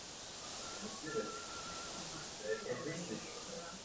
Spock transportuje kapitána Kirka.